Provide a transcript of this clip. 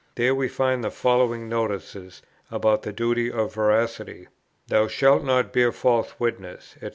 There we find the following notices about the duty of Veracity: "'Thou shalt not bear false witness,' &c.